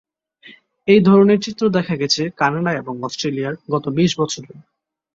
একই ধরনের চিত্র দেখা গেছে কানাডা এবং অস্ট্রেলিয়ায় গত বিশ বছরে।